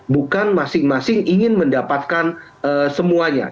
bukan masing masing ingin mendapatkan semuanya